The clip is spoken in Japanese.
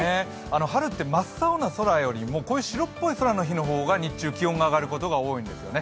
春って真っ青な空よりもこういう白っぽい空の方が日中、気温が上がることが多いんですよね。